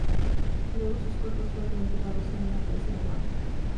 Luego sus cuerpos fueron enterrados en una presa de barro.